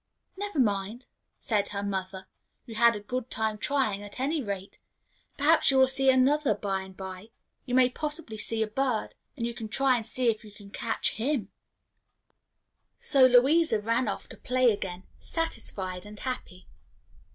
"Never mind," said her mother, "you had a good time trying, at any rate. Perhaps you will see another by and by. You may possibly see a bird, and you can try and see if you can catch him." So Louisa ran off to play again, satisfied and happy.